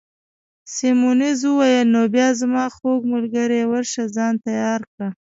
سیمونز وویل: نو بیا زما خوږ ملګرې، ورشه ځان تیار کړه.